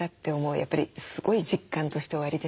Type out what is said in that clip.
やっぱりすごい実感としておありですか？